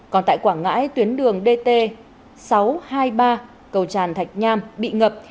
còn tại quảng ngãi tuyến đường dt sáu trăm hai mươi ba cầu tràn thạch nham bị ngập